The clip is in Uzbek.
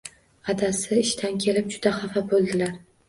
Adasi ishdan kelib juda xafa bo‘ldilar.